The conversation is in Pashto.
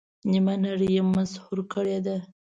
نیمه نړۍ یې مسحور کړې ده.